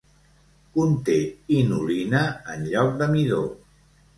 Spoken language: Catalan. Conté inulina en lloc de midó.